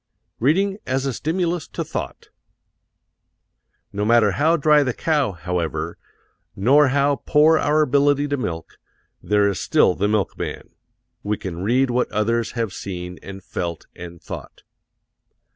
Reading As a Stimulus to Thought No matter how dry the cow, however, nor how poor our ability to milk, there is still the milkman we can read what others have seen and felt and thought.